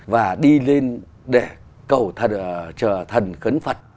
và đi lên để cầu thần khấn phật